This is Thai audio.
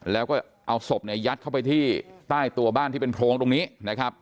แล้วก็เอาศพเนี่ยยัดเข้าไปที่ใต้ตัวบ้านที่เป็นโพรงตรงนี้นะครับ